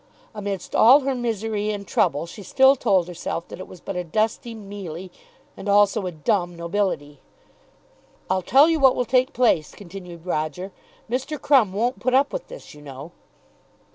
Amidst all her misery and trouble she still told herself that it was but a dusty, mealy, and also a dumb nobility. "I'll tell you what will take place," continued Roger. "Mr. Crumb won't put up with this you know."